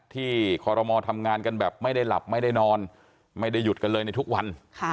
คอรมอลทำงานกันแบบไม่ได้หลับไม่ได้นอนไม่ได้หยุดกันเลยในทุกวัน